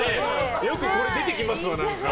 よくこれ、出てきますわ。